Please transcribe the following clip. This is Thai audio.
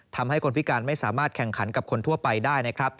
ทำให้คนพิการไม่สามารถแข่งขันกับคนทั่วไปได้นะครับ